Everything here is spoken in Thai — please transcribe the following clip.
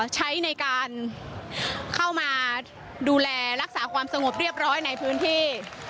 ใช้ในการเข้ามาดูแลรักษาความสงบเรียบร้อยในพื้นที่